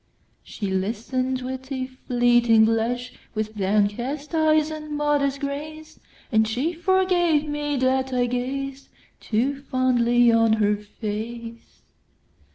She listen'd with a flitting blush, With downcast eyes and modest grace; And she forgave me, that I gazedToo fondly on her face!